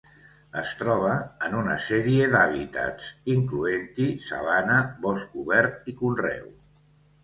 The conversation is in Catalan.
Es troba en una sèrie d'hàbitats, incloent-hi sabana, bosc obert i conreu.